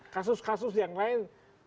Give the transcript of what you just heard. kasus kasus yang lain